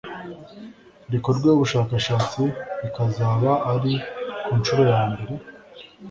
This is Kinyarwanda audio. rikorweho ubushakashatsi bikazaba ari ku nshuro ya mbere